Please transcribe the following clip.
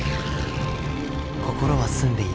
「心は澄んでいる。